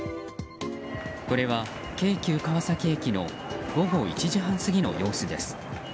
これは京急川崎駅の午後１時半過ぎの様子です。